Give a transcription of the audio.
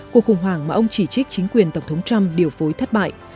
cuộc khủng hoảng mà ông chỉ trích chính quyền tổng thống trump điều phối thất bại